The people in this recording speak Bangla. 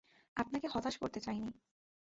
আপনাকে হতাশ করতে চাইনি।